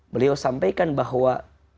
beliau sampaikan bahwa